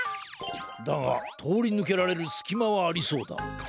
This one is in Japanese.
だがとおりぬけられるすきまはありそうだ。